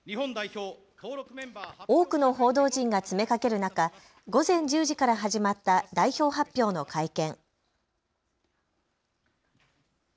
多くの報道陣が詰めかける中、午前１０時から始まった代表発表の会見。